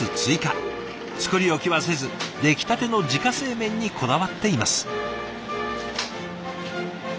作り置きはせずできたての自家製麺にこだわっています。